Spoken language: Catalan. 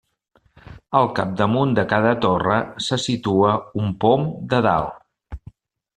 Al capdamunt de cada torre se situa un pom de dalt.